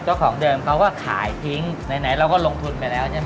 เจ้าของเดิมเขาก็ขายทิ้งไหนเราก็ลงทุนไปแล้วใช่ไหม